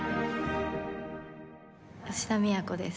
吉田都です。